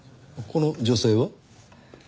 この女性は？